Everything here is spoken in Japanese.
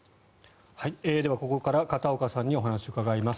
では、ここから片岡さんにお話を伺います。